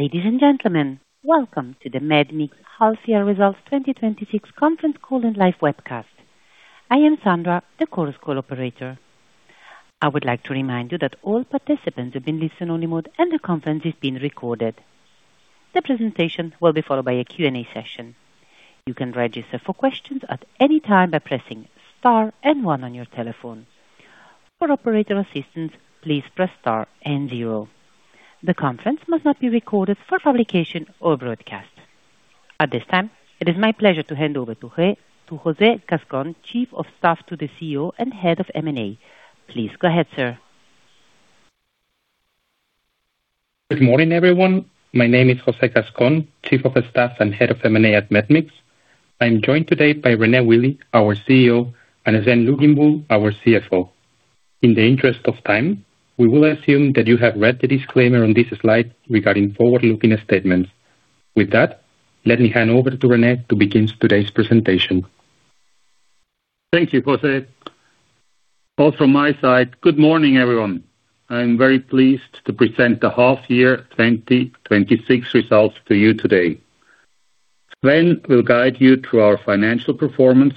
Ladies and gentlemen, welcome to the medmix half year results 2026 conference call and live webcast. I am Sandra, the Chorus Call operator. I would like to remind you that all participants have been in listen-only mode, and the conference is being recorded. The presentation will be followed by a Q&A session. You can register for questions at any time by pressing star and one on your telephone. For operator assistance, please press star and zero. The conference must not be recorded for publication or broadcast. At this time, it is my pleasure to hand over to José Cascón, Chief of Staff to the CEO and Head of M&A. Please go ahead, sir. Good morning, everyone. My name is José Cascón, Chief of Staff and Head of M&A at medmix. I am joined today by René Willi, our CEO, and Sven Luginbuehl, our CFO. In the interest of time, we will assume that you have read the disclaimer on this slide regarding forward-looking statements. With that, let me hand over to René to begin today's presentation. Thank you, José. Also from my side, good morning, everyone. I am very pleased to present the half year 2026 results to you today. Sven will guide you through our financial performance.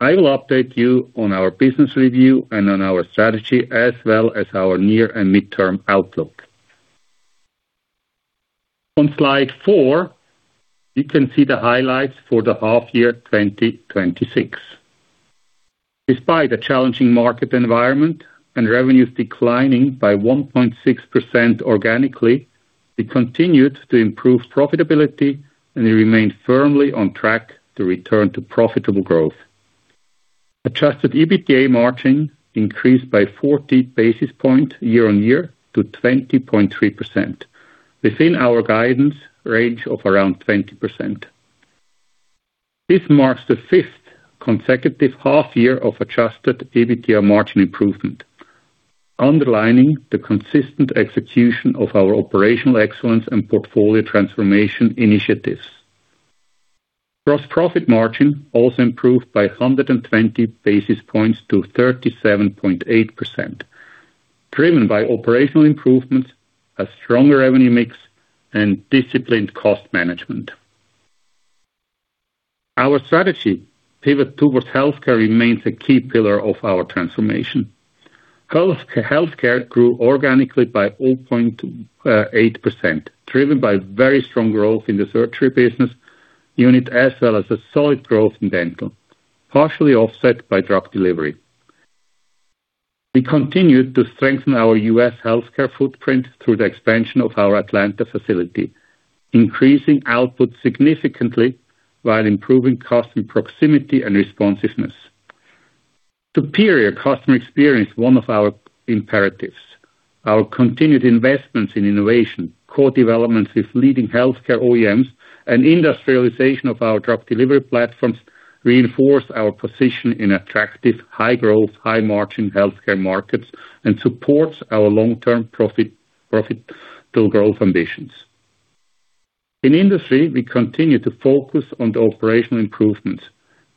I will update you on our business review and on our strategy, as well as our near- and mid-term outlook. On slide four, you can see the highlights for the half year 2026. Despite a challenging market environment and revenues declining by 1.6% organically, we continued to improve profitability and we remain firmly on track to return to profitable growth. Adjusted EBITDA margin increased by 40 basis points year-on-year to 20.3%, within our guidance range of around 20%. This marks the fifth consecutive half-year of adjusted EBITDA margin improvement, underlining the consistent execution of our operational excellence and portfolio transformation initiatives. Gross profit margin also improved by 120 basis points to 37.8%, driven by operational improvements, a stronger revenue mix, and disciplined cost management. Our strategy pivot towards Healthcare remains a key pillar of our transformation. Healthcare grew organically by 0.8%, driven by very strong growth in the Surgery business unit, as well as a solid growth in Dental, partially offset by Drug Delivery. We continued to strengthen our U.S. Healthcare footprint through the expansion of our Atlanta facility, increasing output significantly while improving cost and proximity and responsiveness. Superior customer experience, one of our imperatives. Our continued investments in innovation, co-development with leading Healthcare OEMs, and industrialization of our Drug Delivery platforms reinforce our position in attractive, high-growth, high-margin Healthcare markets and supports our long-term profitable growth ambitions. In industry, we continue to focus on the operational improvements,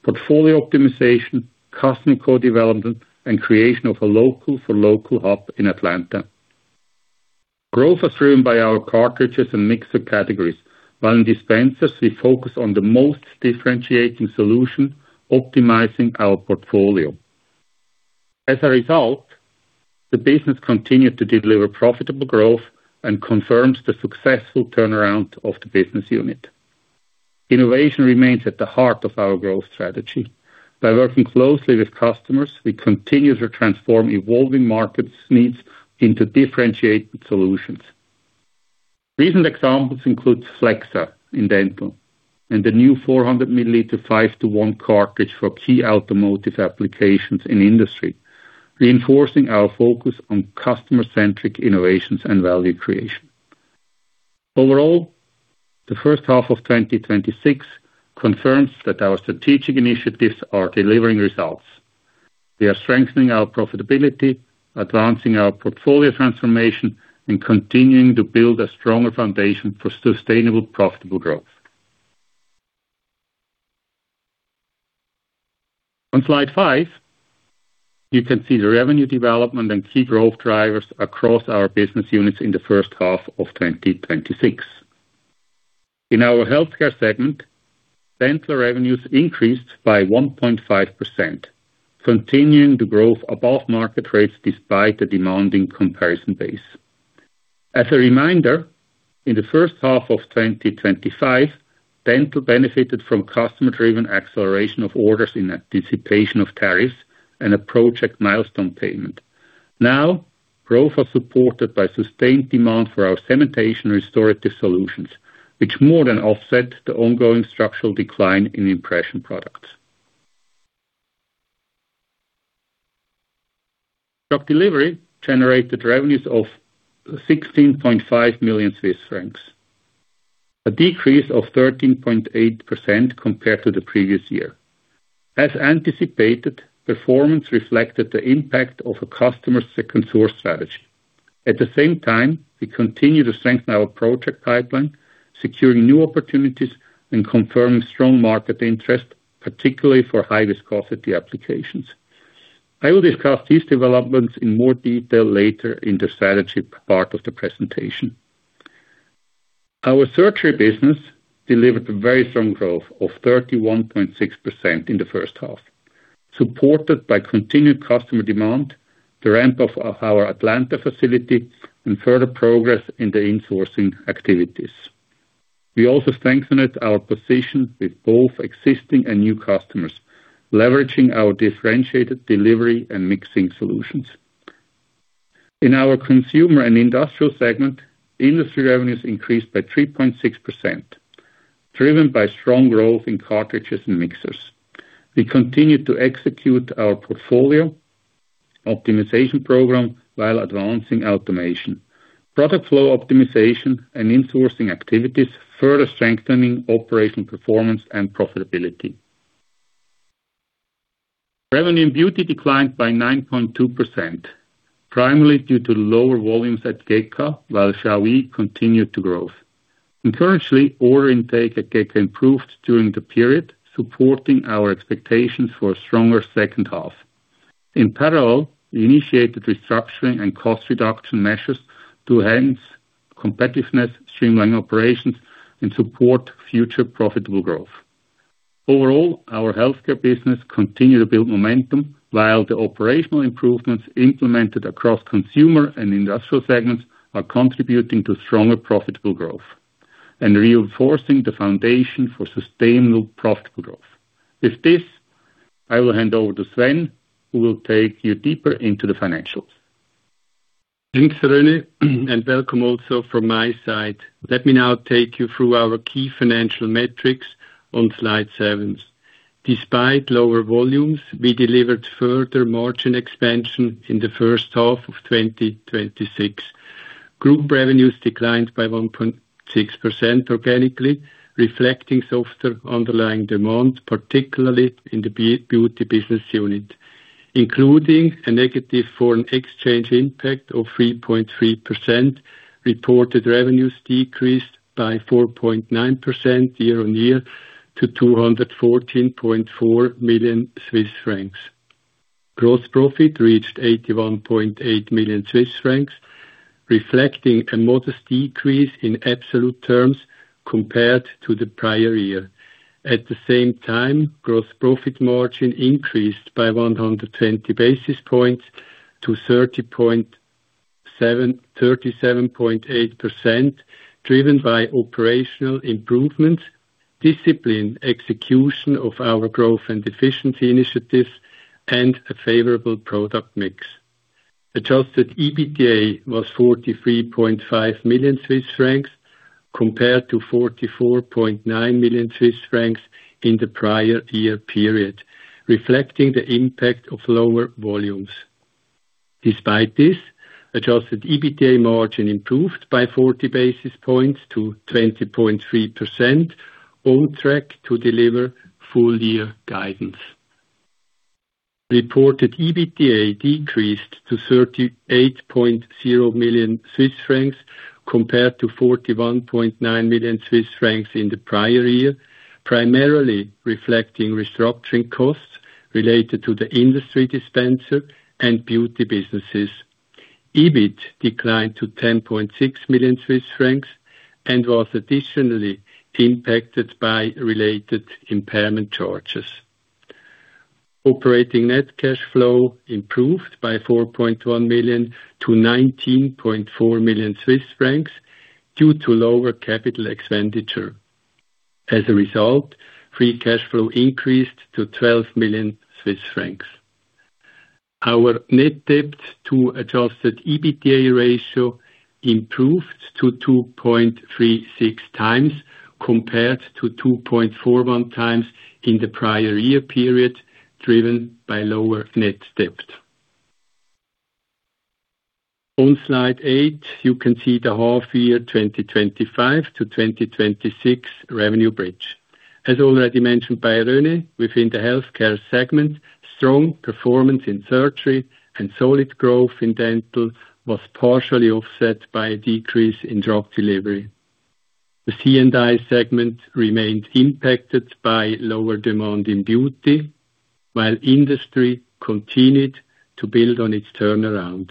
portfolio optimization, customer co-development, and creation of a local for local hub in Atlanta. Growth was driven by our cartridges and mixer categories. In dispensers, we focus on the most differentiating solution, optimizing our portfolio. As a result, the business continued to deliver profitable growth and confirms the successful turnaround of the business unit. Innovation remains at the heart of our growth strategy. By working closely with customers, we continue to transform evolving markets' needs into differentiated solutions. Recent examples include FleXa in Dental and the new 400 mL 5:1 cartridge for key automotive applications in Industry, reinforcing our focus on customer-centric innovations and value creation. Overall, the first half of 2026 confirms that our strategic initiatives are delivering results. We are strengthening our profitability, advancing our portfolio transformation, and continuing to build a stronger foundation for sustainable, profitable growth. On slide five, you can see the revenue development and key growth drivers across our business units in the first half of 2026. In our Healthcare segment, Dental revenues increased by 1.5%, continuing to grow above market rates despite the demanding comparison base. As a reminder, in the first half of 2025, Dental benefited from customer-driven acceleration of orders in anticipation of tariffs and a project milestone payment. Growth was supported by sustained demand for our cementation and restorative solutions, which more than offset the ongoing structural decline in impression products. Drug Delivery generated revenues of 16.5 million Swiss francs, a decrease of 13.8% compared to the previous year. As anticipated, performance reflected the impact of a customer's second source strategy. At the same time, we continue to strengthen our project pipeline, securing new opportunities and confirming strong market interest, particularly for high viscosity applications. I will discuss these developments in more detail later in the strategy part of the presentation. Our Surgery business delivered a very strong growth of 31.6% in the first half, supported by continued customer demand, the ramp-up of our Atlanta facility, and further progress in the insourcing activities. We also strengthened our position with both existing and new customers, leveraging our differentiated delivery and mixing solutions. In our Consumer & Industrial segment, Industry revenues increased by 3.6%, driven by strong growth in cartridges and mixers. We continue to execute our portfolio optimization program while advancing automation. Product flow optimization and insourcing activities, further strengthening operational performance and profitability. Revenue in Beauty declined by 9.2%, primarily due to lower volumes at GEKA, while Qiaoyi continued to grow. Currently, order intake at GEKA improved during the period, supporting our expectations for a stronger second half. In parallel, we initiated restructuring and cost reduction measures to enhance competitiveness, streamline operations, and support future profitable growth. Overall, our Healthcare business continued to build momentum while the operational improvements implemented across Consumer & Industrial segments are contributing to stronger profitable growth and reinforcing the foundation for sustainable profitable growth. With this, I will hand over to Sven, who will take you deeper into the financials. Thanks, René, and welcome also from my side. Let me now take you through our key financial metrics on slide seven. Despite lower volumes, we delivered further margin expansion in the first half of 2026. Group revenues declined by 1.6% organically, reflecting softer underlying demand, particularly in the Beauty business unit. Including a negative foreign exchange impact of 3.3%, reported revenues decreased by 4.9% year-on-year to 214.4 million Swiss francs. Gross profit reached 81.8 million Swiss francs, reflecting a modest decrease in absolute terms compared to the prior year. At the same time, gross profit margin increased by 120 basis points to 37.8%, driven by operational improvements, disciplined execution of our Growth and Efficiency initiatives, and a favorable product mix. Adjusted EBITDA was 43.5 million Swiss francs, compared to 44.9 million Swiss francs in the prior year period, reflecting the impact of lower volumes. Despite this, adjusted EBITDA margin improved by 40 basis points to 20.3%, on track to deliver full-year guidance. Reported EBITDA decreased to 38.0 million Swiss francs compared to 41.9 million Swiss francs in the prior year, primarily reflecting restructuring costs related to the Industry dispenser and Beauty businesses. EBIT declined to 10.6 million Swiss francs and was additionally impacted by related impairment charges. Operating net cash flow improved by 4.1 million to 19.4 million Swiss francs due to lower capital expenditure. As a result, free cash flow increased to 12 million Swiss francs. Our net debt-to-adjusted EBITDA ratio improved to 2.36x compared to 2.41x in the prior year period, driven by lower net debt. On slide eight, you can see the half year 2025 to 2026 revenue bridge. As already mentioned by René, within the Healthcare segment, strong performance in Surgery and solid growth in Dental was partially offset by a decrease in Drug Delivery. The C&I segment remained impacted by lower demand in Beauty, while Industry continued to build on its turnaround.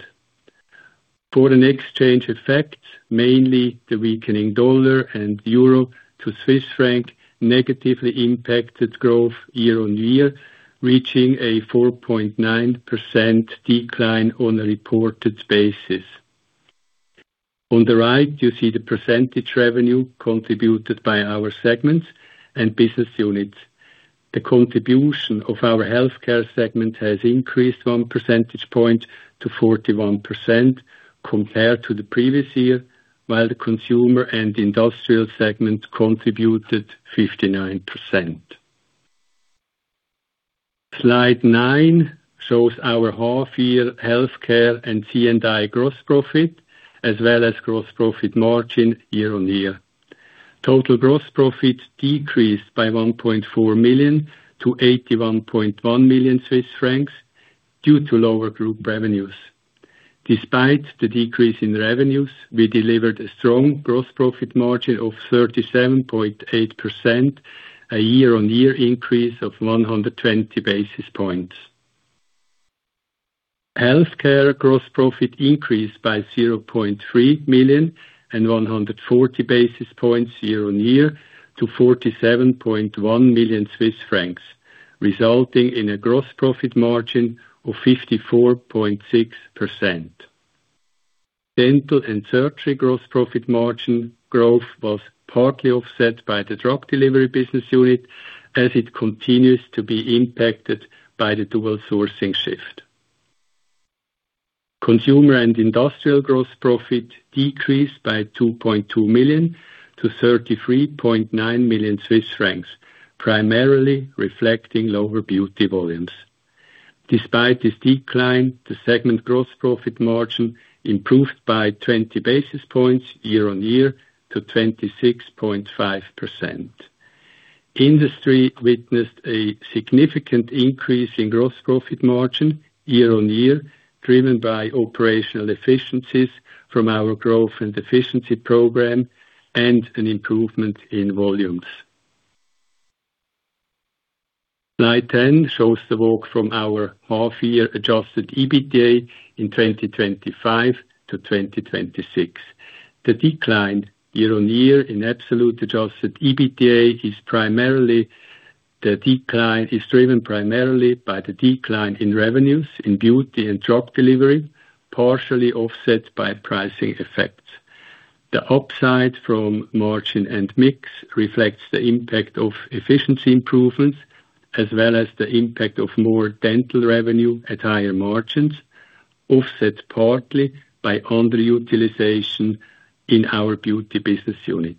Foreign exchange effect, mainly the weakening dollar and euro to Swiss franc, negatively impacted growth year-on-year, reaching a 4.9% decline on a reported basis. On the right, you see the percentage revenue contributed by our segments and business units. The contribution of our Healthcare segment has increased 1 percentage point to 41% compared to the previous year, while the Consumer & Industrial segment contributed 59%. Slide nine shows our half year Healthcare and C&I gross profit as well as gross profit margin year-on-year. Total gross profit decreased by 1.4 million to 81.1 million Swiss francs due to lower group revenues. Despite the decrease in revenues, we delivered a strong gross profit margin of 37.8%, a year-on-year increase of 120 basis points. Healthcare gross profit increased by 0.3 million and 140 basis points year-on-year to 47.1 million Swiss francs, resulting in a gross profit margin of 54.6%. Dental and Surgery gross profit margin growth was partly offset by the Drug Delivery business unit, as it continues to be impacted by the dual sourcing shift. Consumer & Industrial gross profit decreased by 2.2 million to 33.9 million Swiss francs, primarily reflecting lower Beauty volumes. Despite this decline, the segment gross profit margin improved by 20 basis points year-on-year to 26.5%. Industry witnessed a significant increase in gross profit margin year-on-year, driven by operational efficiencies from our Growth and Efficiency program and an improvement in volumes. Slide 10 shows the walk from our half year adjusted EBITDA in 2025 to 2026. The decline year-on-year in absolute adjusted EBITDA is driven primarily by the decline in revenues in Beauty and Drug Delivery, partially offset by pricing effects. The upside from margin and mix reflects the impact of efficiency improvements, as well as the impact of more Dental revenue at higher margins, offset partly by underutilization in our Beauty business unit.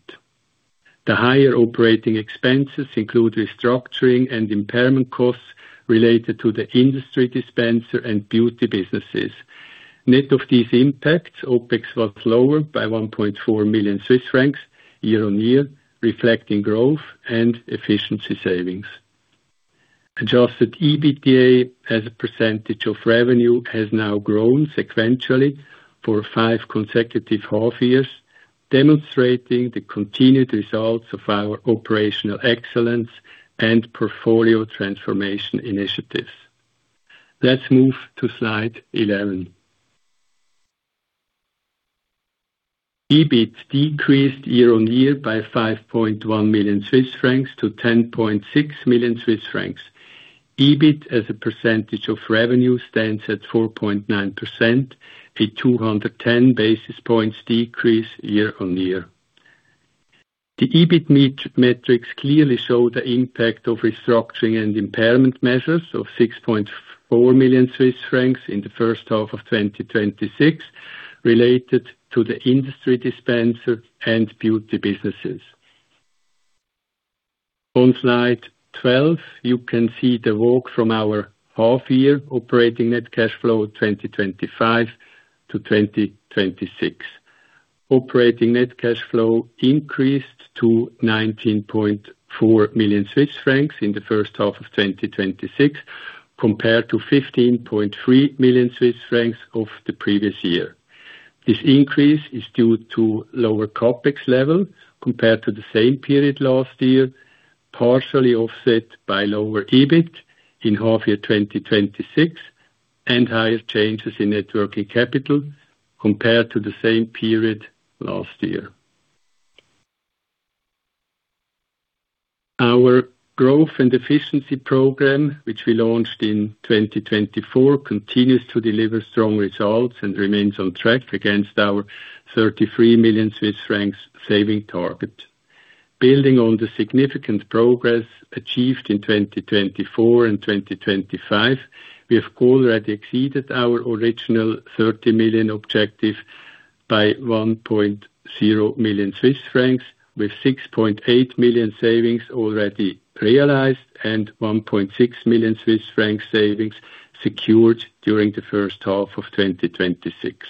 The higher operating expenses include restructuring and impairment costs related to the Industry, Dispenser, and Beauty businesses. Net of these impacts, OpEx was lower by 1.4 million Swiss francs year-on-year, reflecting growth and efficiency savings. Adjusted EBITDA as a percentage of revenue has now grown sequentially for five consecutive half years, demonstrating the continued results of our operational excellence and portfolio transformation initiatives. Let's move to slide 11. EBIT decreased year-on-year by 5.1 million Swiss francs to 10.6 million Swiss francs. EBIT as a percentage of revenue stands at 4.9%, a 210 basis points decrease year-on-year. The EBIT metrics clearly show the impact of restructuring and impairment measures of 6.4 million Swiss francs in the first half of 2026, related to the Industry, Dispenser, and Beauty businesses. On slide 12, you can see the walk from our half year operating net cash flow 2025 to 2026. Operating net cash flow increased to 19.4 million Swiss francs in the first half of 2026, compared to 15.3 million Swiss francs of the previous year. This increase is due to lower CapEx level compared to the same period last year, partially offset by lower EBIT in half year 2026, and higher changes in net working capital compared to the same period last year. Our Growth and Efficiency program, which we launched in 2024, continues to deliver strong results and remains on track against our 33 million Swiss francs saving target. Building on the significant progress achieved in 2024 and 2025, we have already exceeded our original 30 million objective by 1.0 million Swiss francs, with 6.8 million savings already realized and 1.6 million Swiss francs savings secured during the first half of 2026.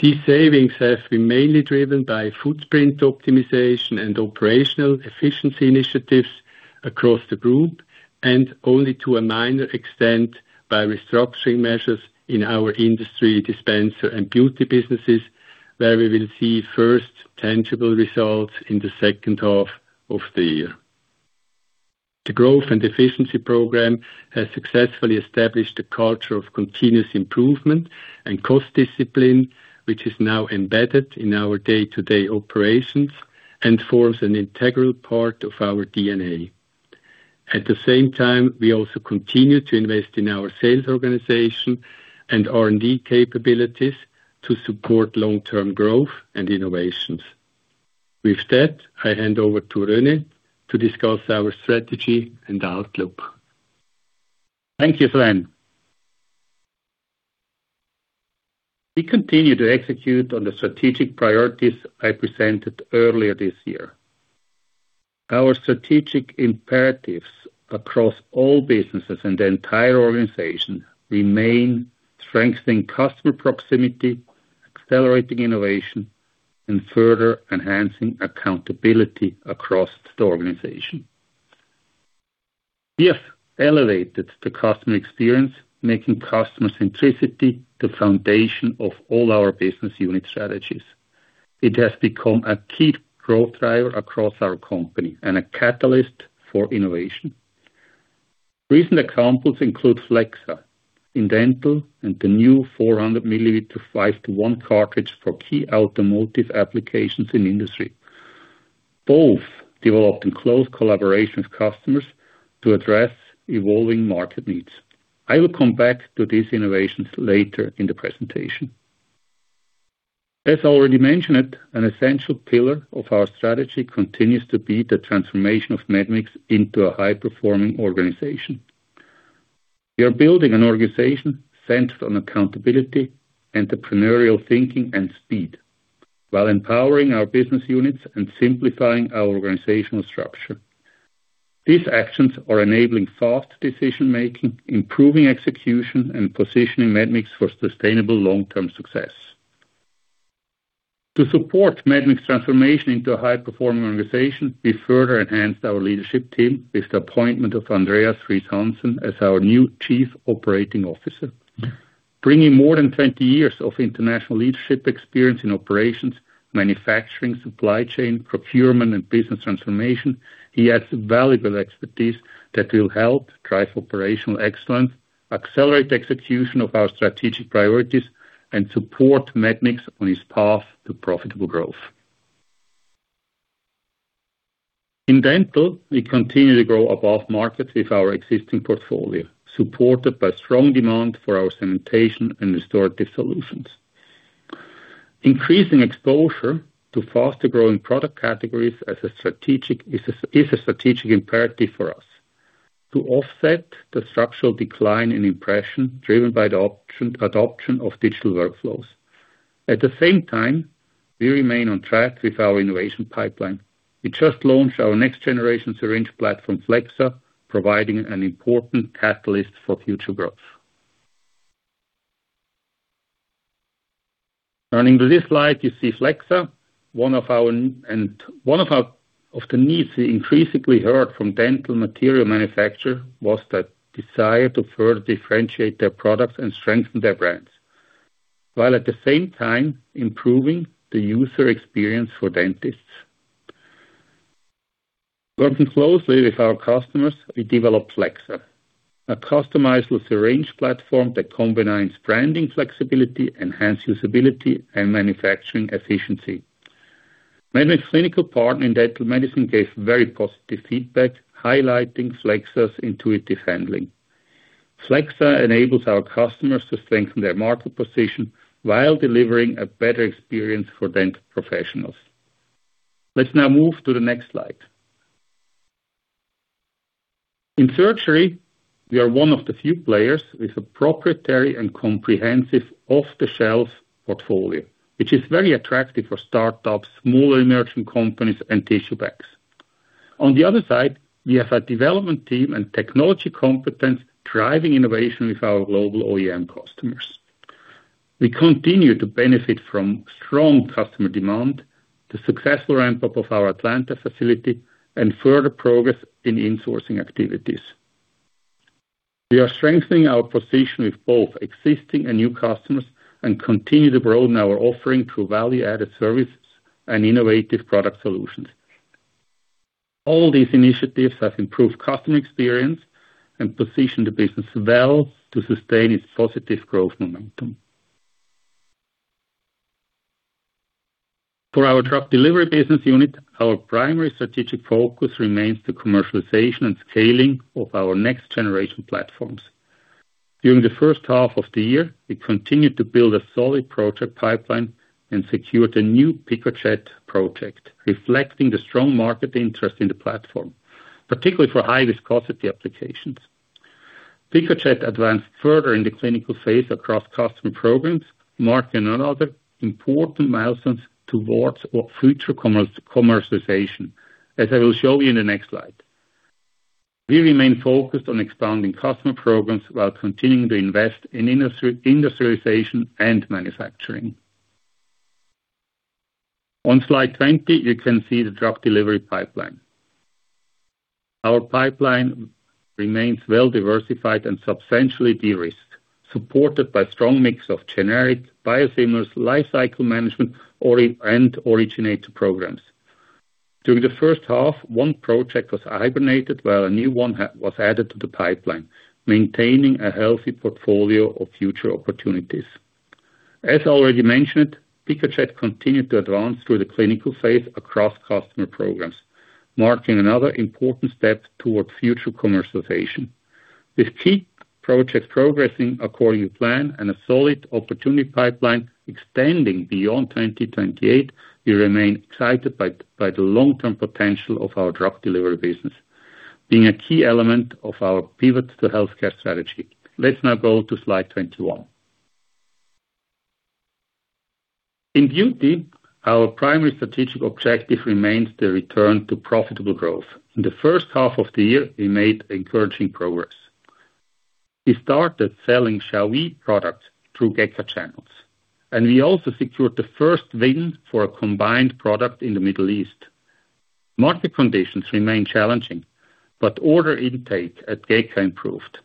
These savings have been mainly driven by footprint optimization and operational efficiency initiatives across the group, and only to a minor extent by restructuring measures in our Industry, Dispenser, and Beauty businesses, where we will see first tangible results in the second half of the year. The Growth and Efficiency program has successfully established a culture of continuous improvement and cost discipline, which is now embedded in our day-to-day operations and forms an an integral part of our DNA. At the same time, we also continue to invest in our sales organization and R&D capabilities to support long-term growth and innovations. With that, I hand over to René to discuss our strategy and outlook. Thank you, Sven. We continue to execute on the strategic priorities I presented earlier this year. Our strategic imperatives across all businesses and the entire organization remain strengthening customer proximity, accelerating innovation, and further enhancing accountability across the organization. We have elevated the customer experience, making customer centricity the foundation of all our business unit strategies. It has become a key growth driver across our company and a catalyst for innovation. Recent examples include FleXa in Dental and the new 400 mL 5:1 cartridge for key automotive applications in Industry, both developed in close collaboration with customers to address evolving market needs. I will come back to these innovations later in the presentation. As already mentioned, an essential pillar of our strategy continues to be the transformation of medmix into a high-performing organization. We are building an organization centered on accountability, entrepreneurial thinking, and speed while empowering our business units and simplifying our organizational structure. These actions are enabling fast decision-making, improving execution, and positioning medmix for sustainable long-term success. To support medmix's transformation into a high-performing organization, we further enhanced our leadership team with the appointment of Andreas Friis Hansen as our new Chief Operating Officer. Bringing more than 20 years of international leadership experience in operations, manufacturing, supply chain, procurement, and business transformation, he adds valuable expertise that will help drive operational excellence, accelerate the execution of our strategic priorities, and support medmix on its path to profitable growth. In Dental, we continue to grow above market with our existing portfolio, supported by strong demand for our cementation and restorative solutions. Increasing exposure to faster-growing product categories is a strategic imperative for us to offset the structural decline in impression driven by the adoption of digital workflows. At the same time, we remain on track with our innovation pipeline. We just launched our next-generation syringe platform, FleXa, providing an important catalyst for future growth. Turning to this slide, you see FleXa. One of the needs we increasingly heard from Dental material manufacturer was that desire to further differentiate their products and strengthen their brands, while at the same time improving the user experience for dentists. Working closely with our customers, we developed FleXa, a customizable syringe platform that combines branding flexibility, enhanced usability, and manufacturing efficiency. Medmix clinical partner in Dental medicine gave very positive feedback, highlighting FleXa's intuitive handling. FleXa enables our customers to strengthen their market position while delivering a better experience for Dental professionals. Let's now move to the next slide. In Surgery, we are one of the few players with a proprietary and comprehensive off-the-shelf portfolio, which is very attractive for startups, smaller emerging companies, and tissue banks. On the other side, we have a development team and technology competence driving innovation with our global OEM customers. We continue to benefit from strong customer demand, the successful ramp-up of our Atlanta facility, and further progress in in-sourcing activities. We are strengthening our position with both existing and new customers and continue to broaden our offering through value-added services and innovative product solutions. All these initiatives have improved customer experience and position the business well to sustain its positive growth momentum. For our Drug Delivery business unit, our primary strategic focus remains the commercialization and scaling of our next-generation platforms. During the first half of the year, we continued to build a solid project pipeline and secured a new PiccoJect project, reflecting the strong market interest in the platform, particularly for high viscosity applications. PiccoJect advanced further in the clinical phase across customer programs, marking another important milestone towards future commercialization, as I will show you in the next slide. We remain focused on expanding customer programs while continuing to invest in industrialization and manufacturing. On slide 20, you can see the Drug Delivery pipeline. Our pipeline remains well-diversified and substantially de-risked, supported by a strong mix of generic biosimilars, lifecycle management, and originator programs. During the first half, one project was hibernated while a new one was added to the pipeline, maintaining a healthy portfolio of future opportunities. As already mentioned, PiccoJect continued to advance through the clinical phase across customer programs, marking another important step towards future commercialization. With key projects progressing according to plan and a solid opportunity pipeline extending beyond 2028, we remain excited by the long-term potential of our Drug Delivery business being a key element of our pivot to Healthcare strategy. Let's now go to slide 21. In Beauty, our primary strategic objective remains the return to profitable growth. In the first half of the year, we made encouraging progress. We started selling Qiaoyi products through GEKA channels. We also secured the first win for a combined product in the Middle East. Market conditions remain challenging, order intake at GEKA improved,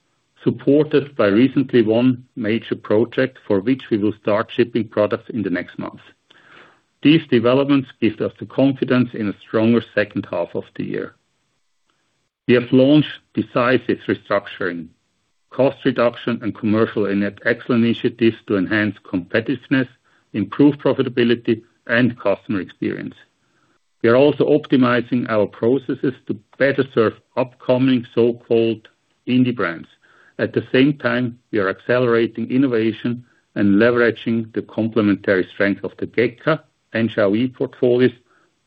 supported by recently one major project for which we will start shipping products in the next month. These developments give us the confidence in a stronger second half of the year. We have launched decisive restructuring, cost reduction, and commercial and excellent initiatives to enhance competitiveness, improve profitability, and customer experience. We are also optimizing our processes to better serve upcoming so-called indie brands. At the same time, we are accelerating innovation and leveraging the complementary strength of the GEKA and Qiaoyi portfolios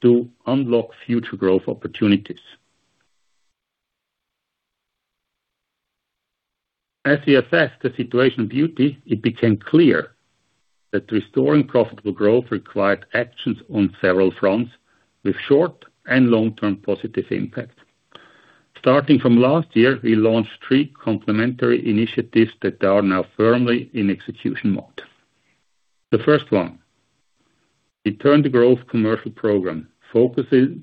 to unlock future growth opportunities. As we assess the situation in Beauty, it became clear that restoring profitable growth required actions on several fronts with short and long-term positive impact. Starting from last year, we launched three complementary initiatives that are now firmly in execution mode. The first one, Return-to-Growth Commercial Program, focuses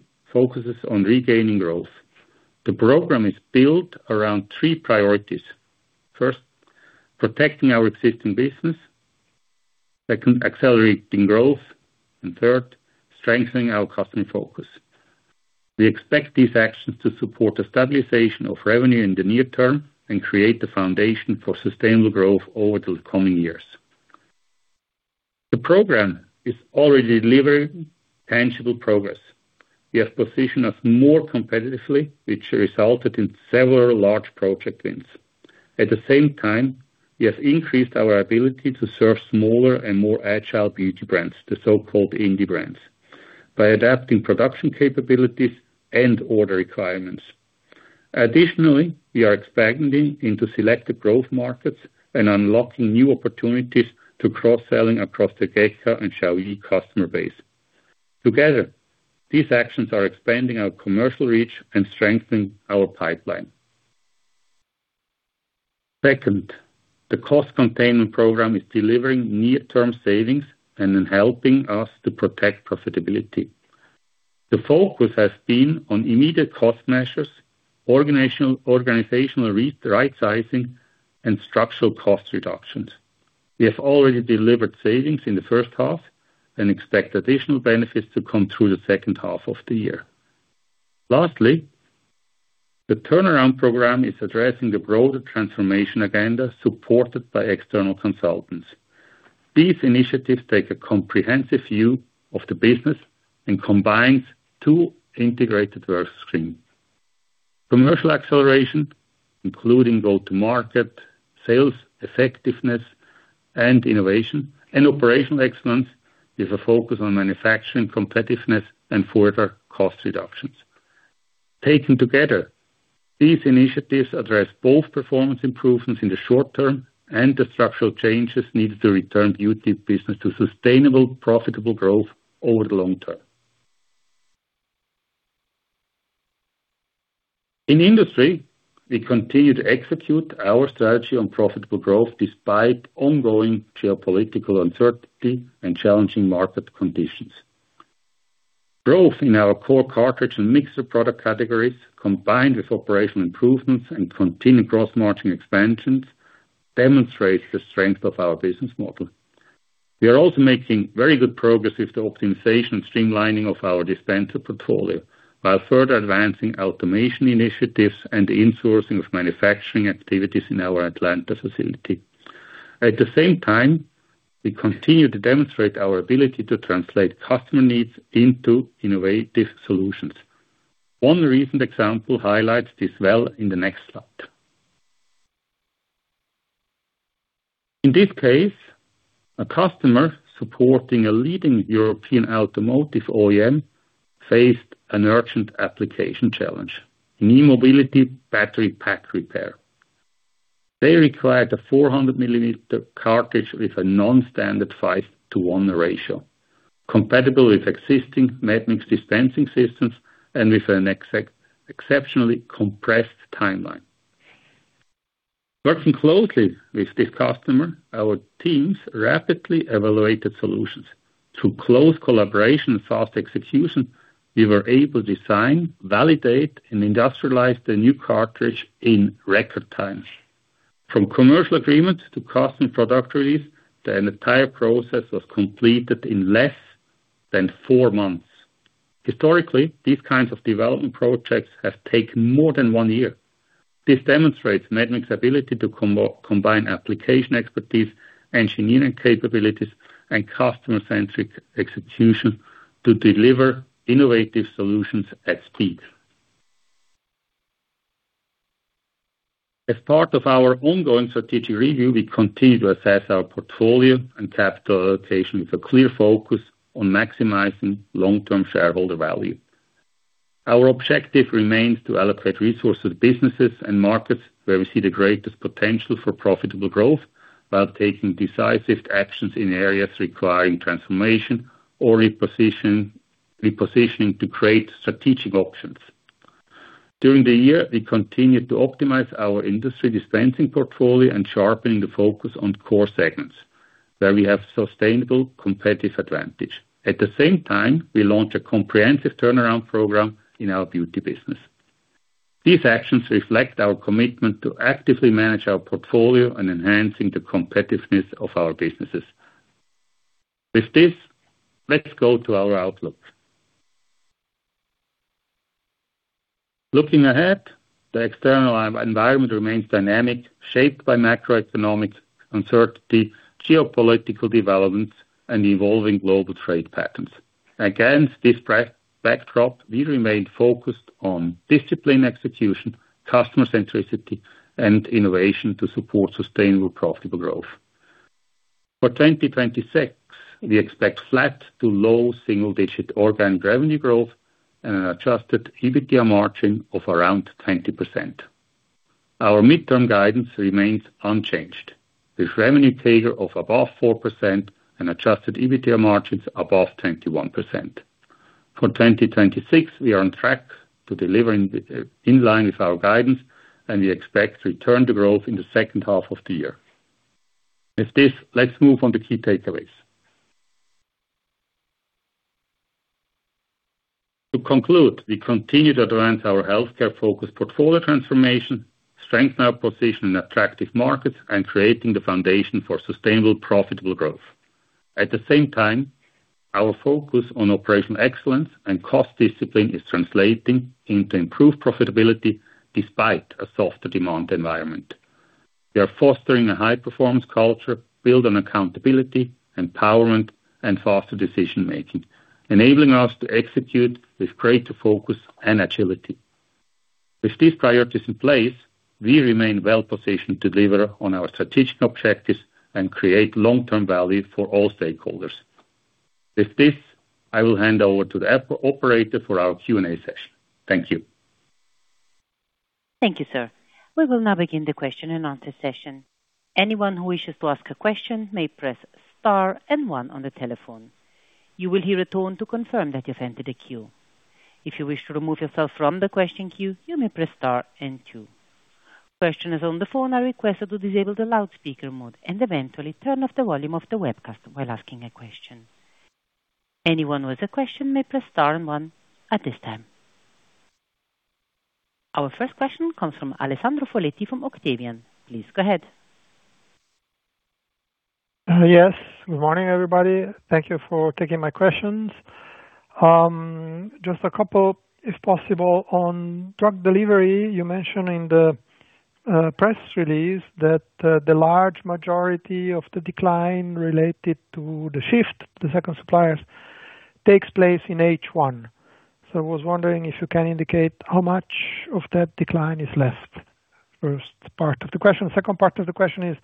on regaining growth. The program is built around three priorities. First, protecting our existing business. Second, accelerating growth. Third, strengthening our customer focus. We expect these actions to support the stabilization of revenue in the near term and create the foundation for sustainable growth over the coming years. The program is already delivering tangible progress. We have positioned us more competitively, which resulted in several large project wins. At the same time, we have increased our ability to serve smaller and more agile Beauty brands, the so-called indie brands, by adapting production capabilities and order requirements. Additionally, we are expanding into selected growth markets and unlocking new opportunities to cross-selling across the GEKA and Qiaoyi customer base. Together, these actions are expanding our commercial reach and strengthening our pipeline. Second, the cost containment program is delivering near-term savings and helping us to protect profitability. The focus has been on immediate cost measures, organizational right-sizing, and structural cost reductions. We have already delivered savings in the first half and expect additional benefits to come through the second half of the year. The turnaround program is addressing the broader transformation agenda supported by external consultants. These initiatives take a comprehensive view of the business and combines two integrated work streams. Commercial acceleration, including go-to-market, sales effectiveness, and innovation, and operational excellence with a focus on manufacturing competitiveness and further cost reductions. Taken together, these initiatives address both performance improvements in the short term and the structural changes needed to return Beauty business to sustainable, profitable growth over the long term. In Industry, we continue to execute our strategy on profitable growth despite ongoing geopolitical uncertainty and challenging market conditions. Growth in our core cartridge and mixer product categories, combined with operational improvements and continued cross-margin expansions, demonstrates the strength of our business model. We are also making very good progress with the optimization and streamlining of our dispenser portfolio while further advancing automation initiatives and the insourcing of manufacturing activities in our Atlanta facility. We continue to demonstrate our ability to translate customer needs into innovative solutions. One recent example highlights this well in the next slide. In this case, a customer supporting a leading European automotive OEM faced an urgent application challenge in e-mobility battery pack repair. They required a 400 mL cartridge with a non-standard 5:1 ratio, compatible with existing medmix dispensing systems and with an exceptionally compressed timeline. Working closely with this customer, our teams rapidly evaluated solutions. Through close collaboration and fast execution, we were able to design, validate, and industrialize the new cartridge in record time. From commercial agreement to custom product release, the entire process was completed in less than four months. Historically, these kinds of development projects have taken more than one year. This demonstrates medmix's ability to combine application expertise, engineering capabilities, and customer-centric execution to deliver innovative solutions at speed. As part of our ongoing strategic review, we continue to assess our portfolio and capital allocation with a clear focus on maximizing long-term shareholder value. Our objective remains to allocate resources, businesses, and markets where we see the greatest potential for profitable growth while taking decisive actions in areas requiring transformation or repositioning to create strategic options. During the year, we continued to optimize our Industry dispensing portfolio and sharpen the focus on core segments where we have sustainable competitive advantage. We launched a comprehensive turnaround program in our Beauty business. These actions reflect our commitment to actively manage our portfolio and enhancing the competitiveness of our businesses. Let's go to our outlook. Looking ahead, the external environment remains dynamic, shaped by macroeconomics, uncertainty, geopolitical developments, and evolving global trade patterns. Against this backdrop, we remain focused on discipline execution, customer centricity, and innovation to support sustainable profitable growth. For 2026, we expect flat-to-low single-digit organic revenue growth and an adjusted EBITDA margin of around 20%. Our midterm guidance remains unchanged, with revenue CAGR of above 4% and adjusted EBITDA margins above 21%. For 2026, we are on track to delivering in line with our guidance, and we expect to return to growth in the second half of the year. Let's move on to key takeaways. To conclude, we continue to advance our Healthcare-focused portfolio transformation, strengthen our position in attractive markets, and creating the foundation for sustainable profitable growth. Our focus on operational excellence and cost discipline is translating into improved profitability despite a softer demand environment. We are fostering a high-performance culture built on accountability, empowerment, and faster decision-making, enabling us to execute with greater focus and agility. With these priorities in place, we remain well-positioned to deliver on our strategic objectives and create long-term value for all stakeholders. With this, I will hand over to the operator for our Q&A session. Thank you. Thank you, sir. We will now begin the question-and-answer session. Anyone who wishes to ask a question may press star and one on the telephone. You will hear a tone to confirm that you've entered a queue. If you wish to remove yourself from the question queue, you may press star and two. Questioners on the phone are requested to disable the loudspeaker mode and eventually turn off the volume of the webcast while asking a question. Anyone with a question may press star and one at this time. Our first question comes from Alessandro Foletti from Octavian. Please go ahead. Yes. Good morning, everybody. Thank you for taking my questions. Just a couple, if possible, on Drug Delivery. You mentioned in the press release that the large majority of the decline related to the shift to the second suppliers takes place in H1. I was wondering if you can indicate how much of that decline is left. First part of the question. Second part of the question is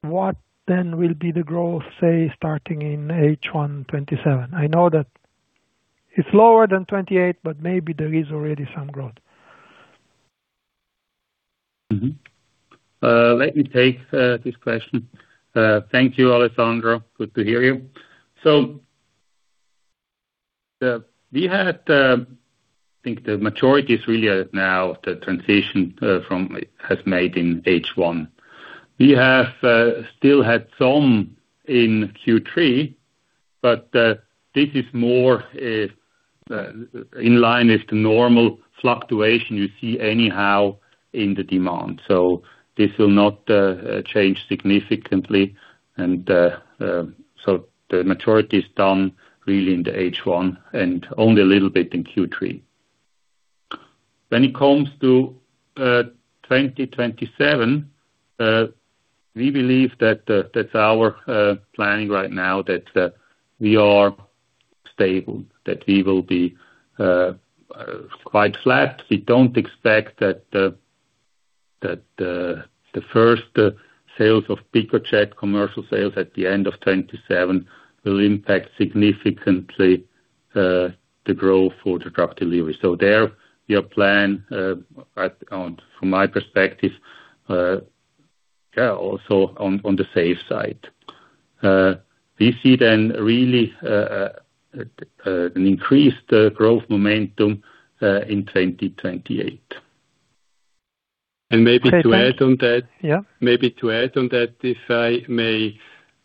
what will be the growth, say, starting in H1 2027? I know that it's lower than 2028, but maybe there is already some growth. Let me take this question. Thank you, Alessandro. Good to hear you. I think the majority is really now the transition from has made in H1. We have still had some in Q3, but this is more in line with the normal fluctuation you see anyhow in the demand. This will not change significantly. The majority is done really in the H1 and only a little bit in Q3. When it comes to 2027, we believe that that's our planning right now, that we are stable, that we will be quite flat. We don't expect that the first sales of PiccoJect, commercial sales at the end of 2027, will impact significantly the growth for the Drug Delivery. There, we are plan, from my perspective, also on the safe side. We see really an increased growth momentum in 2028. Maybe to add on that, Yeah maybe to add on that, if I may,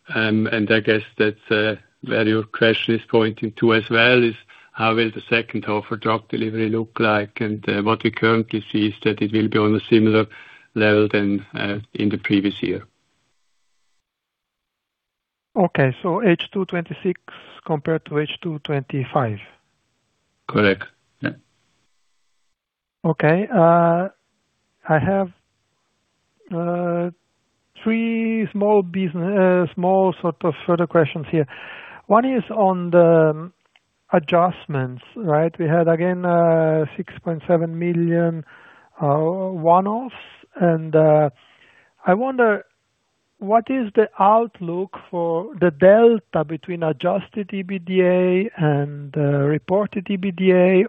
and I guess that's where your question is pointing to as well, is how will the second half of Drug Delivery look like? What we currently see is that it will be on a similar level than in the previous year. Okay. H2 2026 compared to H2 2025. Correct. Yeah. Okay. I have three small sort of further questions here. One is on the adjustments, right? We had again a 6.7 million one-offs, and I wonder what is the outlook for the delta between adjusted EBITDA and reported EBITDA?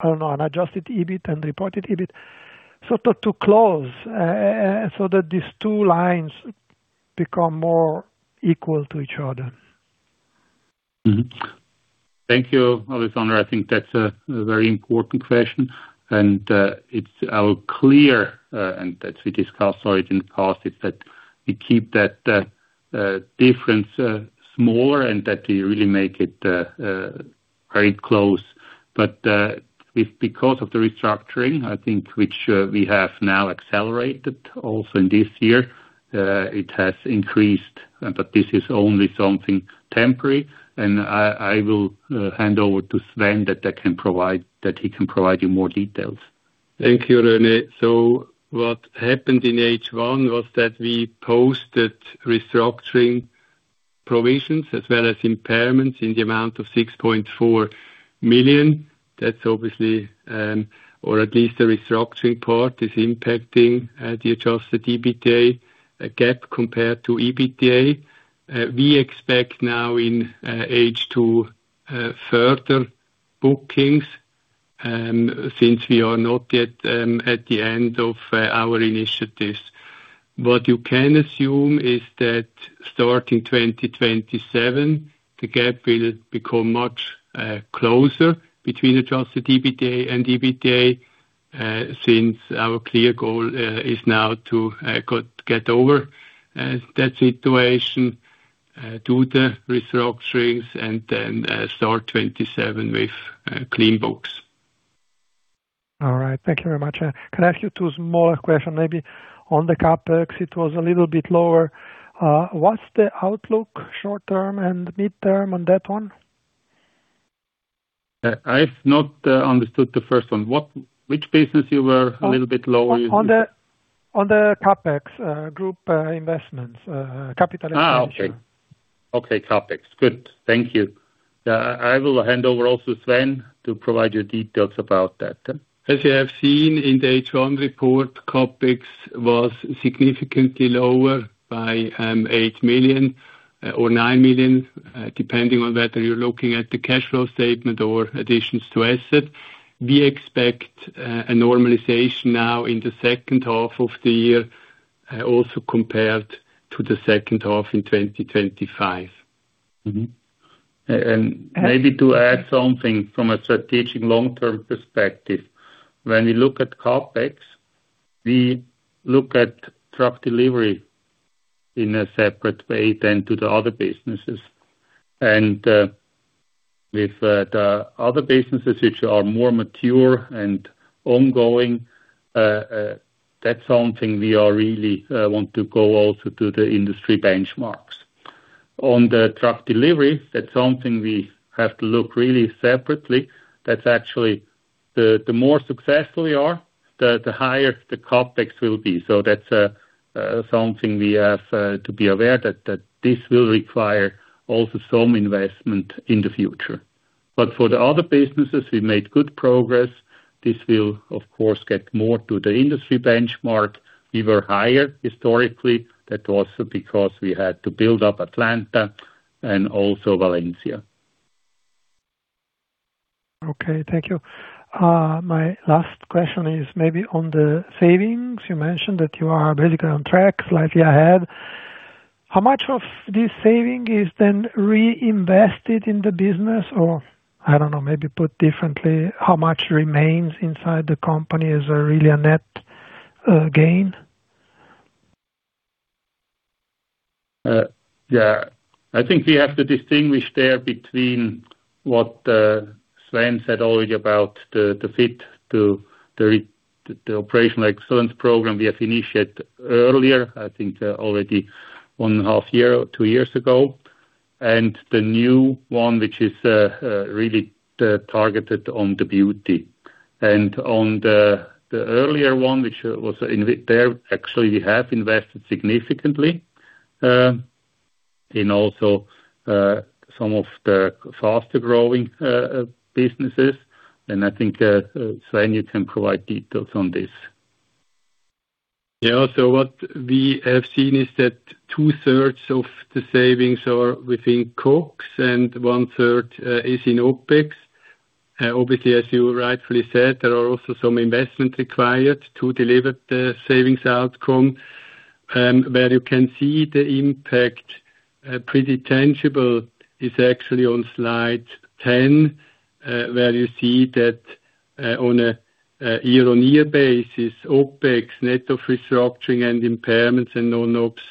I don't know, an adjusted EBIT and reported EBIT, sort of to close so that these two lines become more equal to each other. Thank you, Alessandro. I think that's a very important question, it's our clear, and as we discussed already in the past, is that we keep that difference smaller and that we really make it very close. Because of the restructuring, I think, which we have now accelerated also in this year, it has increased, but this is only something temporary. I will hand over to Sven that he can provide you more details. Thank you, René. What happened in H1 was that we posted restructuring provisions as well as impairments in the amount of 6.4 million. That's obviously, or at least the restructuring part, is impacting the adjusted EBITDA, a gap compared to EBITDA. We expect now in H2 further bookings, since we are not yet at the end of our initiatives. What you can assume is that starting 2027, the gap will become much closer between adjusted EBITDA and EBITDA, since our clear goal is now to get over that situation, do the restructurings, then start 2027 with clean books. All right. Thank you very much. Can I ask you two small questions, maybe on the CapEx? It was a little bit lower. What's the outlook short-term and mid-term on that one? I've not understood the first one. Which business you were a little bit low? On the CapEx, group investments, capital investment. Okay. Okay, CapEx. Good. Thank you. I will hand over also Sven to provide you details about that. As you have seen in the H1 report, CapEx was significantly lower by eight million or nine million, depending on whether you're looking at the cash flow statement or additions to asset. We expect a normalization now in the second half of the year, also compared to the second half in 2025. Mm-hmm. Maybe to add something from a strategic long-term perspective, when we look at CapEx, we look at Drug Delivery in a separate way than to the other businesses. With the other businesses, which are more mature and ongoing, that's something we are really want to go also to the industry benchmarks. On the Drug Delivery, that's something we have to look really separately. That's actually the more successful you are, the higher the CapEx will be. That's something we have to be aware that this will require also some investment in the future. But for the other businesses, we made good progress. This will, of course, get more to the industry benchmark. We were higher historically. That's also because we had to build up Atlanta and also Valencia. Okay, thank you. My last question is maybe on the savings. You mentioned that you are basically on track, slightly ahead. How much of this saving is reinvested in the business? Put differently, how much remains inside the company as really a net gain? I think we have to distinguish there between what Sven said already about the fit to the operational excellence program we have initiated earlier, I think already one and a half years or two years ago, and the new one, which is really targeted on the Beauty. On the earlier one, which was in there, actually, we have invested significantly, in also some of the faster-growing businesses. I think, Sven, you can provide details on this. Yeah. What we have seen is that 2/3 of the savings are within COGS and 1/3 is in OpEx. Obviously, as you rightfully said, there are also some investments required to deliver the savings outcome. Where you can see the impact pretty tangible is actually on slide 10, where you see that on a year-on-year basis, OpEx, net of restructuring and impairments and non-ops,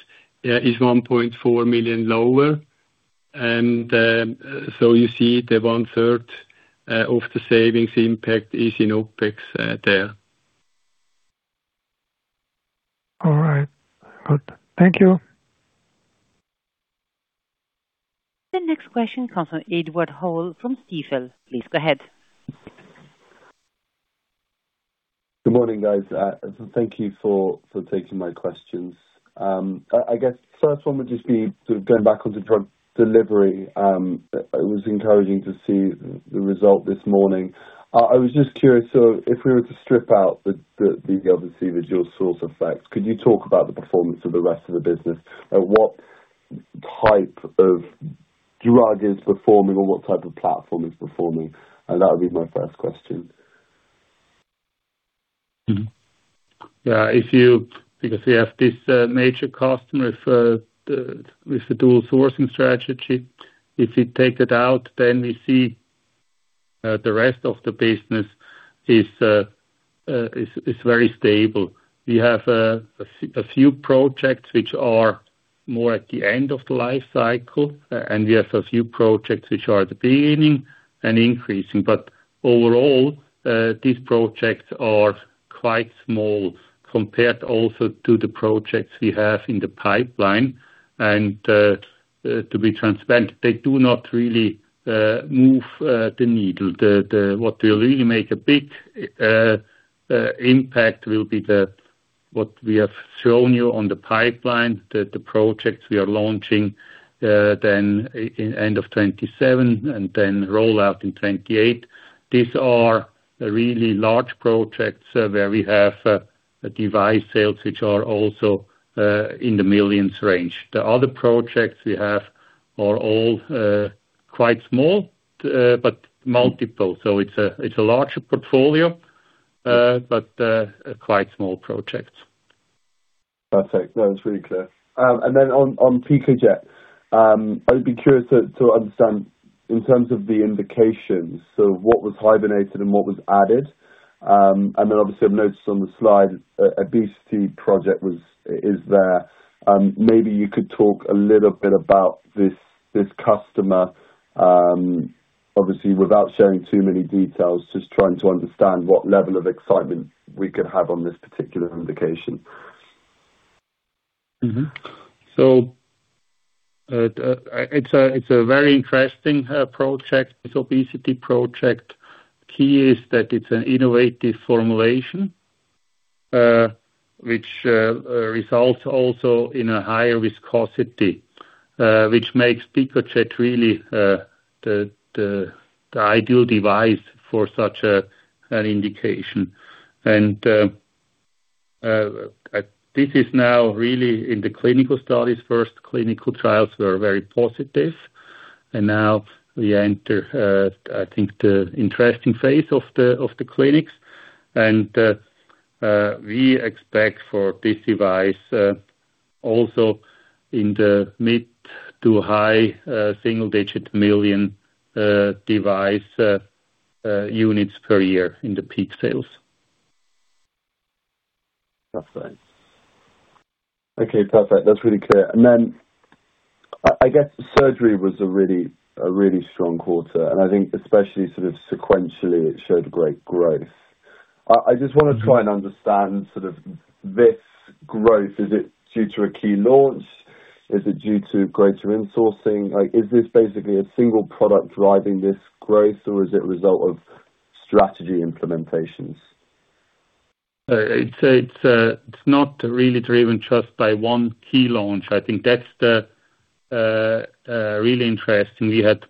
is 1.4 million lower. You see the 1/3 of the savings impact is in OpEx there. All right. Good. Thank you. The next question comes from Edward Hall from Stifel. Please go ahead. Good morning, guys. Thank you for taking my questions. I guess first one would just be sort of going back onto Drug Delivery. It was encouraging to see the result this morning. I was just curious, so if we were to strip out the B2C, the dual source effects, could you talk about the performance of the rest of the business? What type of drug is performing or what type of platform is performing? That would be my first question. Yeah, because we have this major customer with the dual sourcing strategy. If we take that out, then we see the rest of the business is very stable. We have a few projects which are more at the end of the life cycle, and we have a few projects which are at the beginning and increasing. Overall, these projects are quite small compared also to the projects we have in the pipeline. To be transparent, they do not really move the needle. What will really make a big impact will be what we have shown you on the pipeline, the projects we are launching then end of 2027 and then roll out in 2028. These are really large projects where we have device sales which are also in the millions range. The other projects we have are all quite small but multiple. It's a larger portfolio, but quite small projects. Perfect. No, it's really clear. On PiccoJect, I would be curious to understand in terms of the indications, what was hibernated and what was added? Obviously I've noticed on the slide, obesity project is there. Maybe you could talk a little bit about this customer, obviously without sharing too many details, just trying to understand what level of excitement we could have on this particular indication. It's a very interesting project, this obesity project. Key is that it's an innovative formulation, which results also in a higher viscosity, which makes PiccoJect really the ideal device for such an indication. This is now really in the clinical studies. First clinical trials were very positive. Now we enter, I think, the interesting phase of the clinics. We expect for this device, also in the mid-to-high single-digit million device units per year in the peak sales. Perfect. Okay, perfect. That's really clear. I guess Surgery was a really strong quarter, and I think especially sort of sequentially it showed great growth. I just want to try and understand sort of this growth. Is it due to a key launch? Is it due to greater insourcing? Is this basically a single product driving this growth or is it result of strategy implementations? It's not really driven just by one key launch. I think that's the really interesting. We had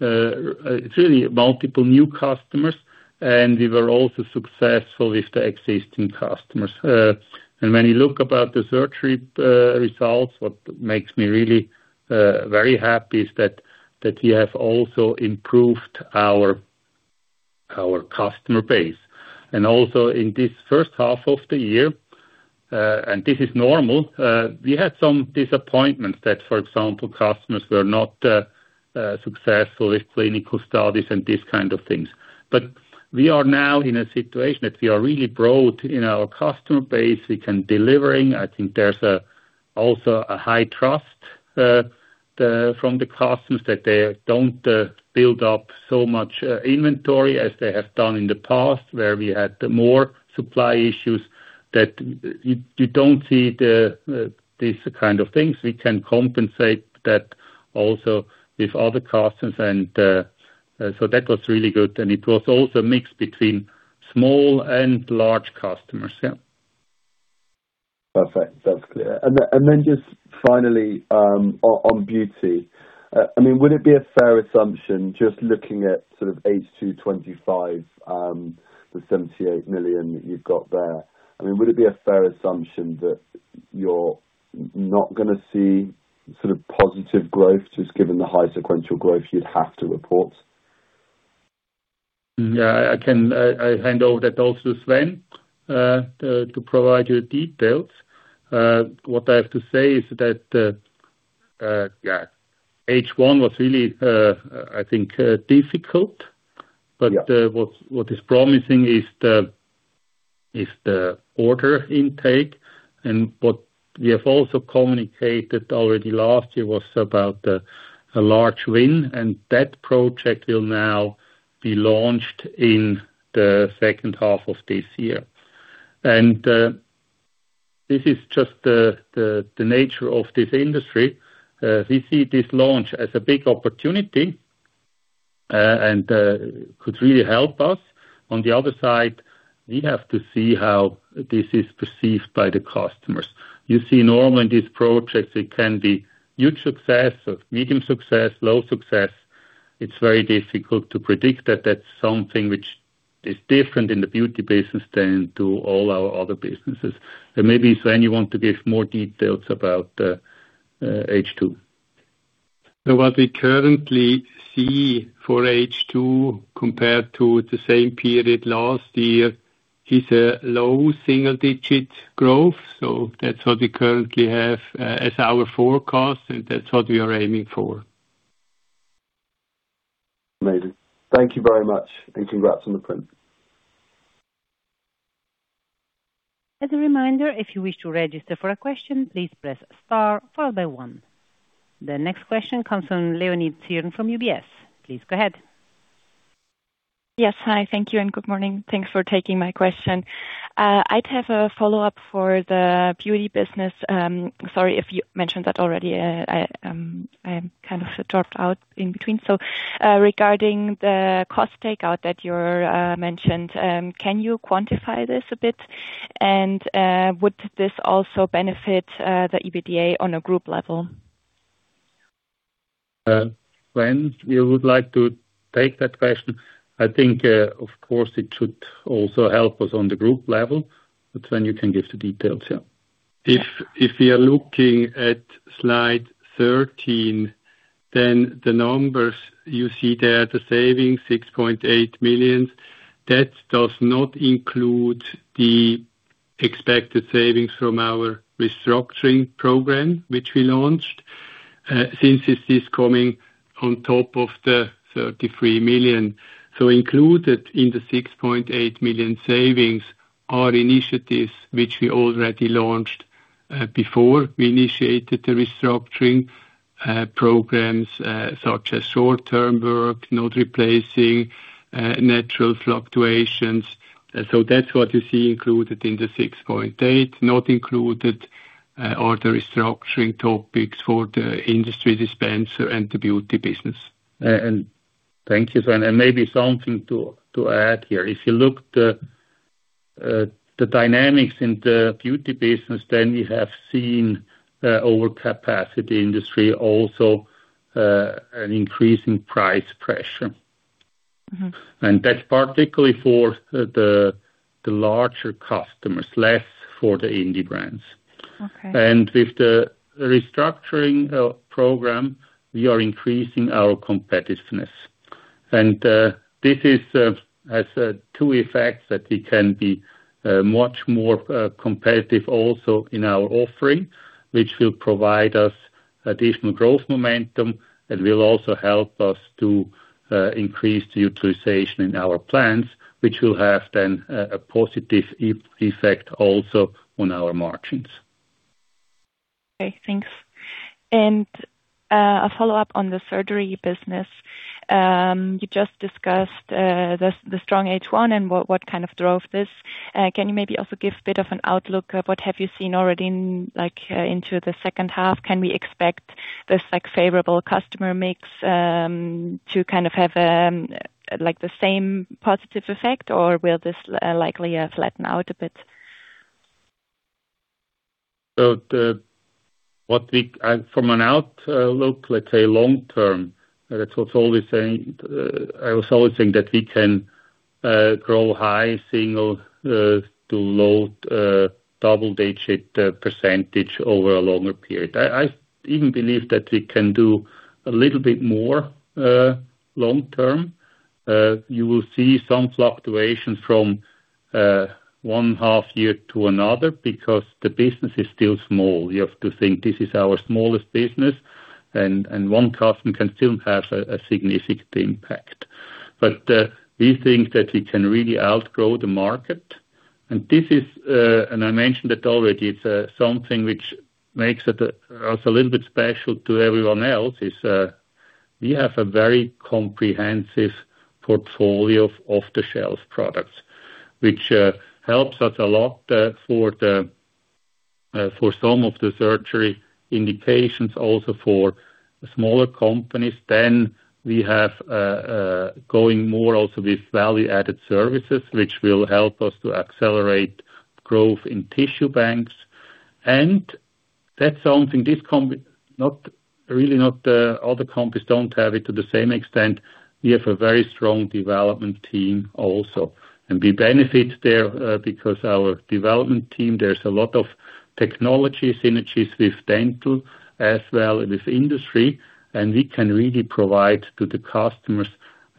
really multiple new customers, we were also successful with the existing customers. When you look about the Surgery results, what makes me really very happy is that we have also improved our customer base. Also in this first half of the year, this is normal, we had some disappointments that, for example, customers were not successful with clinical studies and these kind of things. We are now in a situation that we are really broad in our customer base. We can delivering. I think there's also a high trust from the customers that they don't build up so much inventory as they have done in the past, where we had more supply issues that you don't see these kind of things. We can compensate that also with other customers, that was really good. It was also mixed between small and large customers. Yeah. Perfect. That's clear. Just finally on Beauty. Would it be a fair assumption just looking at sort of H2 2025, the 78 million that you've got there, would it be a fair assumption that you're not going to see sort of positive growth just given the high sequential growth you'd have to report? Yeah. I hand over that also to Sven to provide you details. What I have to say is that H1 was really, I think, difficult. Yeah. What is promising is the order intake. What we have also communicated already last year was about a large win, and that project will now be launched in the second half of this year. This is just the nature of this industry. We see this launch as a big opportunity and could really help us. On the other side, we have to see how this is perceived by the customers. You see normally in these projects it can be huge success or medium success, low success. It's very difficult to predict that that's something which is different in the Beauty business than to all our other businesses. Maybe, Sven, you want to give more details about H2. What we currently see for H2 compared to the same period last year is a low single-digit growth. That's what we currently have as our forecast, and that's what we are aiming for. Amazing. Thank you very much, and congrats on the print. As a reminder, if you wish to register for a question, please press star followed by one. The next question comes from Leonie Zirn from UBS. Please go ahead. Hi, thank you, and good morning. Thanks for taking my question. I'd have a follow-up for the Beauty business. Sorry if you mentioned that already. I kind of dropped out in between. Regarding the cost takeout that you mentioned, can you quantify this a bit? Would this also benefit the EBITDA on a group level? Sven, you would like to take that question? I think, of course, it should also help us on the group level. Sven, you can give the details. If we are looking at slide 13, the numbers you see there, the saving, 6.8 million. That does not include the expected savings from our restructuring program, which we launched, since this is coming on top of the 33 million. Included in the 6.8 million savings are initiatives which we already launched before we initiated the restructuring programs, such as short-term work, not replacing natural fluctuations. That's what you see included in the 6.8 million. Not included are the restructuring topics for the Industry dispenser and the Beauty business. Thank you, Sven. Maybe something to add here. If you look at the dynamics in the Beauty business, we have seen over capacity industry also an increase in price pressure. That's particularly for the larger customers, less for the indie brands. Okay. With the restructuring program, we are increasing our competitiveness. This has two effects that we can be much more competitive also in our offering, which will provide us additional growth momentum that will also help us to increase the utilization in our plants, which will have a positive effect also on our margins. Okay, thanks. A follow-up on the Surgery business. You just discussed the strong H1 and what kind of drove this. Can you maybe also give a bit of an outlook of what have you seen already into the second half? Can we expect this favorable customer mix to have the same positive effect, or will this likely flatten out a bit? From an outlook, let's say long term, I was always saying that we can grow high single-to-low double-digit percentage over a longer period. I even believe that we can do a little bit more long term. You will see some fluctuation from one half year to another because the business is still small. You have to think this is our smallest business and one customer can still have a significant impact. We think that we can really outgrow the market. I mentioned that already, it's something which makes us a little bit special to everyone else, is we have a very comprehensive portfolio of off-the-shelf products, which helps us a lot for some of the Surgery indications, also for smaller companies. We have going more also with value-added services, which will help us to accelerate growth in tissue banks. That's something other companies don't have it to the same extent. We have a very strong development team also. We benefit there because our development team, there's a lot of technology synergies with Dental as well with Industry, and we can really provide to the customers,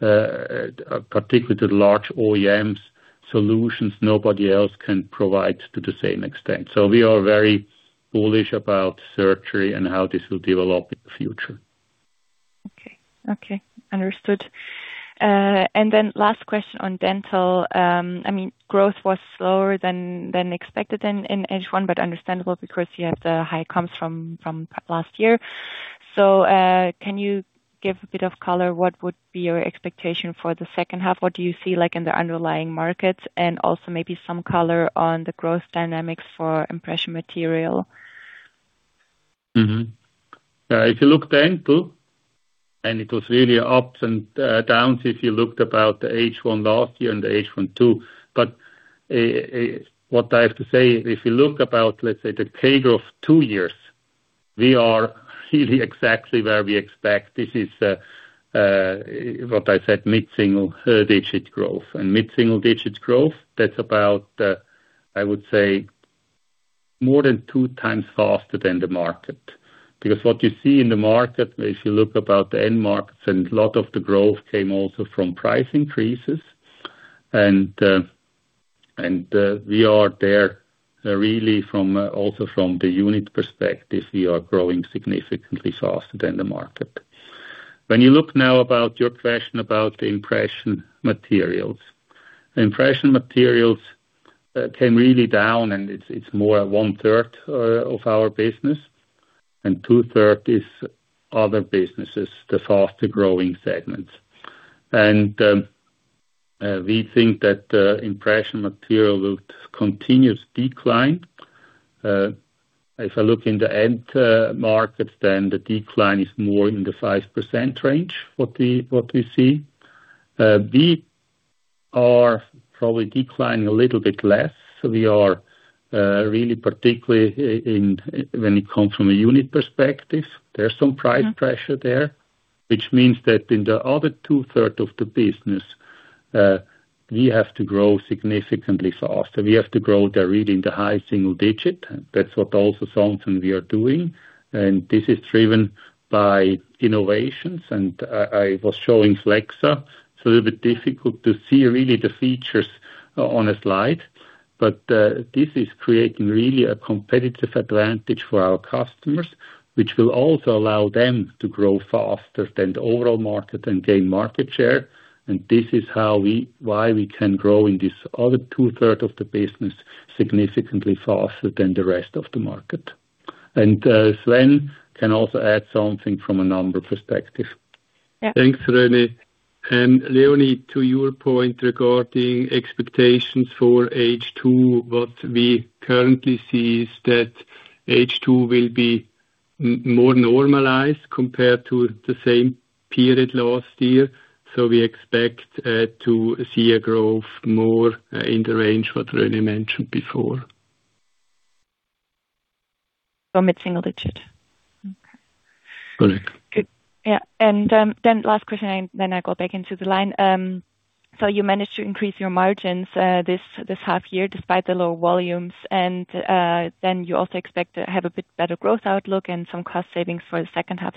particularly to the large OEMs, solutions nobody else can provide to the same extent. We are very bullish about Surgery and how this will develop in the future. Okay. Understood. Last question on Dental. Growth was slower than expected in H1, but understandable because you have the high comps from last year. Can you give a bit of color what would be your expectation for the second half? What do you see in the underlying markets? Also maybe some color on the growth dynamics for impression material. If you look Dental, it was really ups and downs if you looked about the H1 last year and the H1 too, but what I have to say, if you look about, let's say, the CAGR of two years, we are really exactly where we expect. This is what I said, mid-single digit growth. Mid-single digits growth, that's about, I would say more than 2x faster than the market. Because what you see in the market, if you look about the end-markets, a lot of the growth came also from price increases. We are there, really also from the unit perspective, we are growing significantly faster than the market. When you look now about your question about the impression materials. Impression materials came really down, it's more one-third of our business, and two-thirds is other businesses, the faster-growing segments. We think that impression material will continue to decline. If I look in the end markets, then the decline is more in the 5% range, what we see. We are probably declining a little bit less. We are, really particularly, when it comes from a unit perspective, there's some price pressure there. Which means that in the other two-third of the business, we have to grow significantly faster. We have to grow there really in the high-single digit. That's what also something we are doing. This is driven by innovations, and I was showing FleXa. It's a little bit difficult to see really the features on a slide. This is creating really a competitive advantage for our customers, which will also allow them to grow faster than the overall market and gain market share. This is why we can grow in this other two-thirds of the business significantly faster than the rest of the market. Sven can also add something from a number perspective. Yeah. Thanks, René. Leonie, to your point regarding expectations for H2, what we currently see is that H2 will be more normalized compared to the same period last year. We expect to see a growth more in the range what René mentioned before. Mid-single digit. Okay. Correct. Good. Yeah. Last question I go back into the line. You managed to increase your margins this half year despite the low volumes, you also expect to have a bit better growth outlook and some cost savings for the second half.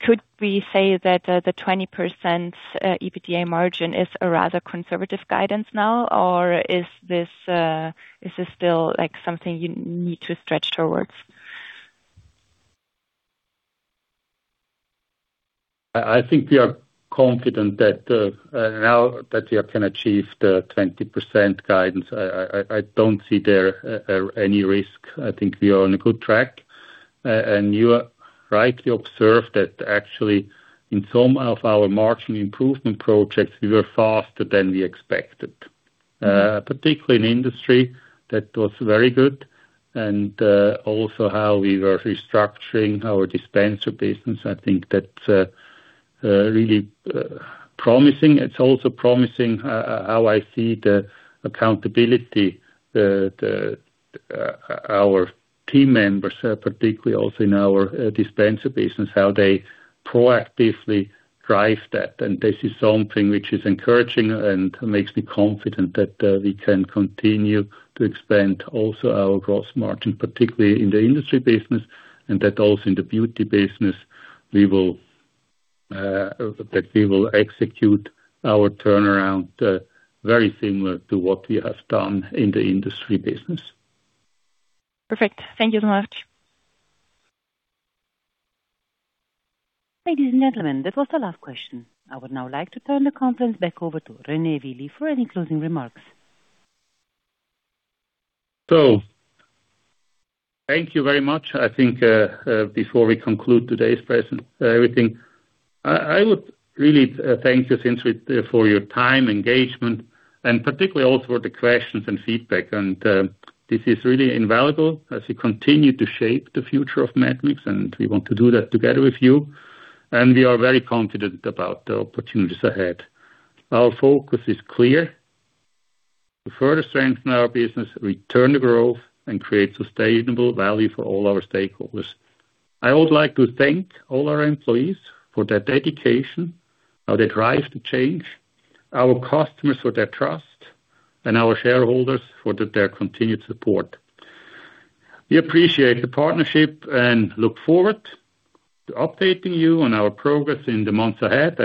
Could we say that the 20% EBITDA margin is a rather conservative guidance now, or is this still something you need to stretch towards? I think we are confident that now that we can achieve the 20% guidance, I don't see there any risk. I think we are on a good track. You rightly observed that actually in some of our margin improvement projects, we were faster than we expected. Particularly in Industry, that was very good. Also how we were restructuring our dispenser business. I think that's really promising. It's also promising, how I see the accountability, our team members, particularly also in our dispenser business, how they proactively drive that. This is something which is encouraging and makes me confident that we can continue to expand also our gross margin, particularly in the Industry business, and that also in the Beauty business, that we will execute our turnaround, very similar to what we have done in the Industry business. Perfect. Thank you so much. Ladies and gentlemen, that was the last question. I would now like to turn the conference back over to René Willi for any closing remarks. Thank you very much. I think, before we conclude today's presentation, everything, I would really thank you since for your time, engagement, and particularly also for the questions and feedback. This is really invaluable as we continue to shape the future of medmix, and we want to do that together with you. We are very confident about the opportunities ahead. Our focus is clear. To further strengthen our business, return the growth, and create sustainable value for all our stakeholders. I would like to thank all our employees for their dedication, for their drive to change, our customers for their trust, and our shareholders for their continued support. We appreciate the partnership and look forward to updating you on our progress in the months ahead.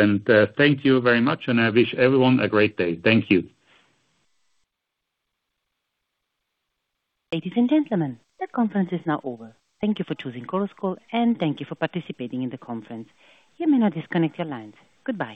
Thank you very much, and I wish everyone a great day. Thank you. Ladies and gentlemen, the conference is now over. Thank you for choosing Chorus Call, and thank you for participating in the conference. You may now disconnect your lines. Goodbye